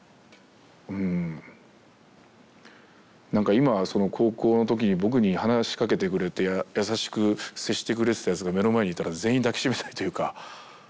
今は高校のときに僕に話しかけてくれて優しく接してくれてたやつが目の前にいたら全員抱きしめたいというか。